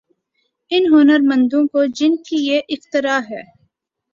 ان ہنرمندوں کو جن کی یہ اختراع ہے۔